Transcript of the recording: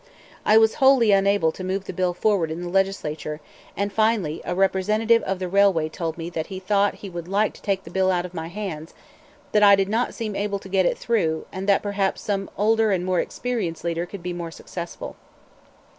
I was wholly unable to move the bill forward in the Legislature, and finally a representative of the railway told me that he thought he would like to take the bill out of my hands, that I did not seem able to get it through, and that perhaps some "older and more experienced" leader could be more successful.